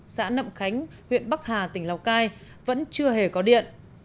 xã nậm khánh huyện bắc hà tỉnh lào cai vẫn chưa hề có điện